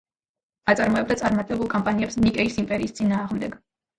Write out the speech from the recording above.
აწარმოებდა წარმატებულ კამპანიებს ნიკეის იმპერიის წინააღმდეგ.